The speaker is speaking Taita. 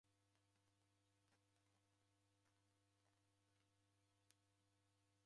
Warwa nguw'o putu fuma diende